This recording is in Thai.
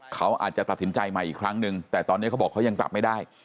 เขาอาจจะตัดสินใจใหม่อีกครั้งนึงแต่ตอนนี้เขาบอกเขายังกลับไม่ได้